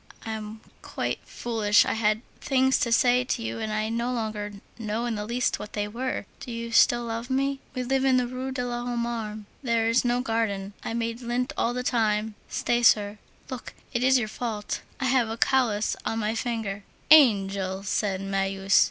I am quite foolish. I had things to say to you, and I no longer know in the least what they were. Do you still love me? We live in the Rue de l'Homme Armé. There is no garden. I made lint all the time; stay, sir, look, it is your fault, I have a callous on my fingers." "Angel!" said Marius.